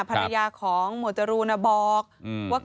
ภรรยาของหมวดจรูนบอกว่า